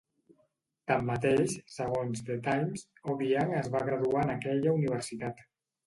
Tanmateix, segons "The Times", Obiang es va graduar en aquella universitat.